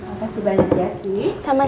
makasih banyak ya adi